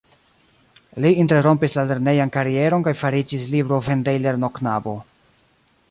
Li interrompis la lernejan karieron kaj fariĝis librovendejlernoknabo.